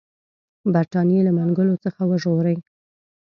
برټانیې له منګولو څخه وژغوري.